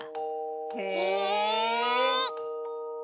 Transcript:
へえ。